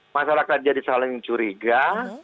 masyarakat jadi saling curiga